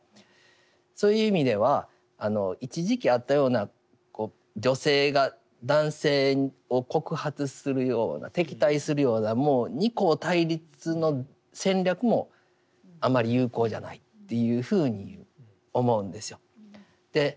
そういう意味では一時期あったような女性が男性を告発するような敵対するようなもう二項対立の戦略もあまり有効じゃないっていうふうに思うんですよ。